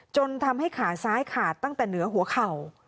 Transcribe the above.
จนทำให้ขาซ้ายขาดตั้งแต่เหนือหัวเข่า